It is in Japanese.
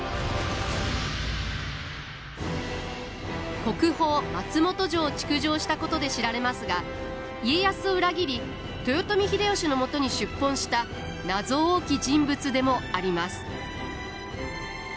国宝松本城を築城したことで知られますが家康を裏切り豊臣秀吉のもとに出奔した謎多き人物でもあります。